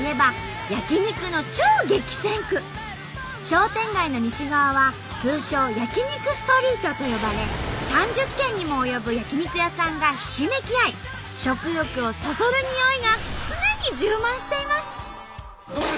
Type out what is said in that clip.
商店街の西側は通称「焼き肉ストリート」と呼ばれ３０軒にも及ぶ焼き肉屋さんがひしめき合い食欲をそそるにおいが常に充満しています。